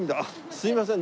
すみません。